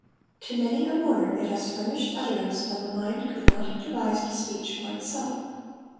To many a mourner it lias fvrmslied utterance when the mind could not have devised a .speech for itself.